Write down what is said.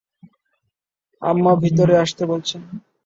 আম্মা ভিতরে আসতে বলছেন।